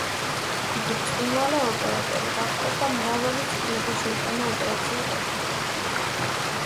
იგი ბრწყინვალე ოპერატორი გახლდათ და მრავალი ცვლილება შეიტანა ოპერაციულ ტექნიკაში.